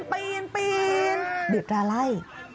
ปีนบีดราไล่